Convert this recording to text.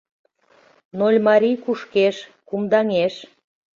Нольмарий кушкеш, кумдаҥеш.